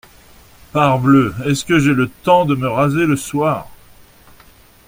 Parbleu ! est-ce que j’ai le temps de me raser le soir ?